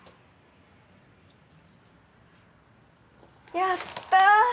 やった！